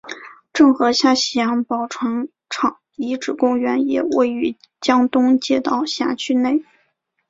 郑和下西洋宝船厂遗址公园也位于江东街道辖区内。